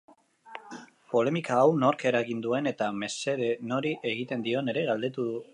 Polemika hau nork eragin duen eta mesede nori egiten dion ere galdetu du.